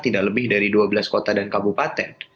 tidak lebih dari dua belas kota dan kabupaten